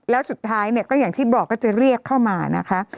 แล้วสุดท้ายเนี่ยก็อย่างที่บอกก็จะเรียกเข้ามานะคะ